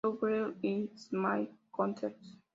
To Whom It May Concern.